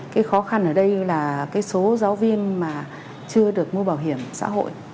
cái khó khăn ở đây là cái số giáo viên mà chưa được mua bảo hiểm xã hội